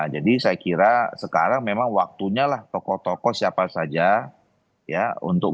jadi saya kira sekarang memang waktunya lah tokoh tokoh siapa saja ya untuk ya